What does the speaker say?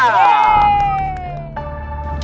kok sama davin sih